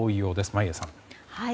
眞家さん。